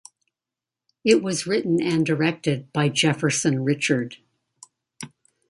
It was written and directed by Jefferson Richard.